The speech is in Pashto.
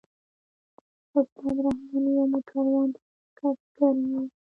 استاد رحماني او موټروان په مرکه ګرم وو.